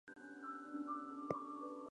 I have come for trophies and nothing else.